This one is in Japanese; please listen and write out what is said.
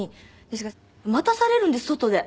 ですから待たされるんです外で。